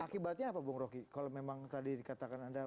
akibatnya apa bung roky kalau memang tadi dikatakan anda